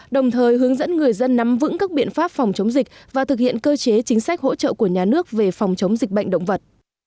đồng thời hướng dẫn người dân nắm vững các biện pháp phòng chống dịch và thực hiện cơ chế chính sách hỗ trợ của nhà nước về phòng chống dịch bệnh động vật